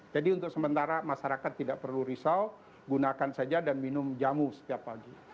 untuk sementara masyarakat tidak perlu risau gunakan saja dan minum jamu setiap pagi